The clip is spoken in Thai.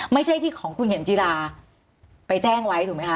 ไม่ใช่ที่ของคุณเข็มจีราไปแจ้งไว้ถูกไหมคะ